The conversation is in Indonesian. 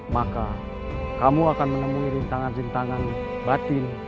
maka kamu akan menemui rintangan rintangan batin